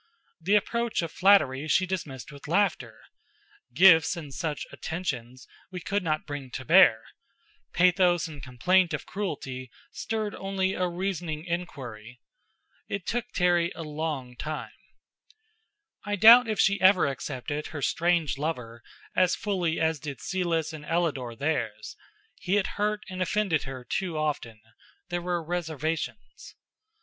The approach of flattery she dismissed with laughter, gifts and such "attentions" we could not bring to bear, pathos and complaint of cruelty stirred only a reasoning inquiry. It took Terry a long time. I doubt if she ever accepted her strange lover as fully as did Celis and Ellador theirs. He had hurt and offended her too often; there were reservations.